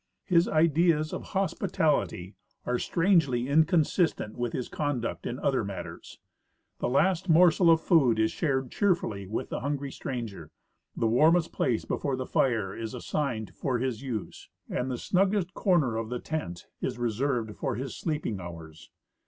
His ideas of hospitality are strangely incon sistent with his conduct in other matters. The last morsel of food is shared cheerfully Avith the hungry stranger, the warmest jDlace before the fire is assigned for his use, and the snuggest corner in the tent is reserved for his sleeping hours.